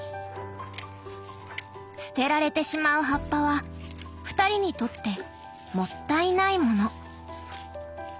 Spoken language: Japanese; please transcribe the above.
捨てられてしまう葉っぱは２人にとってもったいないもの。